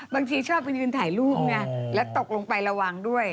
บางทีชอบไปยืนถ่ายรูปไงแล้วตกลงไประวังด้วย